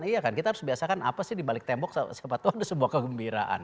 iya kan kita harus biasakan apa sih di balik tembok sepatu ada sebuah kegembiraan